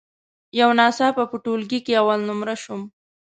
یو ناڅاپه په ټولګي کې اول نمره شوم.